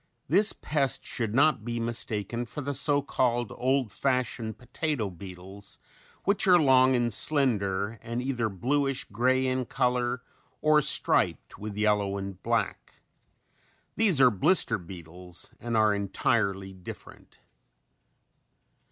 This pest should not be mistaken for the so called old fashioned potato beetles which are long and slender and either bluish grey in color or striped with yellow and black. These are blister beetles and are entirely different.